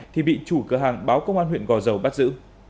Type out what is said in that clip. thì bị chủ cửa hàng báo công an huyện gò dầu bắt giữ